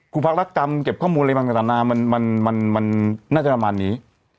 ขุมภาครักรรมเก็บข้อมูลอะไรต่างน่าจะประมาณนี้